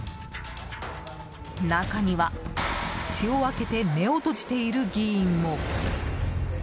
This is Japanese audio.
中には口を開けて目を閉じている議員も。